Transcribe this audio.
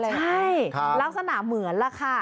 ใช่ลักษณะเหมือนล่ะค่ะ